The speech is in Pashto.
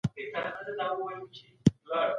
ډله ييز آندونه سياسي بهيرونه ګړندي کوي.